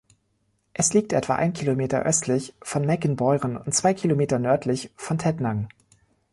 Es liegt etwa ein Kilometer östlich von Meckenbeuren und zwei Kilometer nördlich von Tettnang.